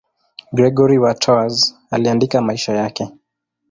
Gregori wa Tours aliandika maisha yake.